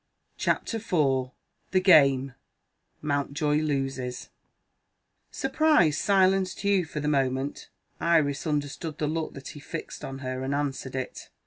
CHAPTER IV THE GAME: MOUNTJOY LOSES SURPRISE silenced Hugh for the moment. Iris understood the look that he fixed on her, and answered it.